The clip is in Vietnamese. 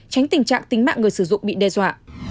tránh tình trạng tính mạng người sử dụng bị đe dọa